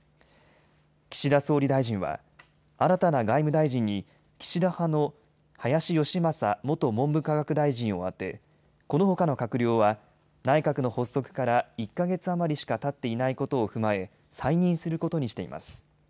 岸田総理大臣は新たな外務大臣に岸田派の林芳正元文部科学大臣を充てこのほかの閣僚は内閣の発足から、１か月余りしかたっていないことを踏まえ再任することにしています。